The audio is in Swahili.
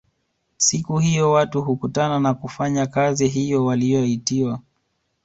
Siku hiyo watu hukutana na kufanya kazi hiyo waliyoitiwa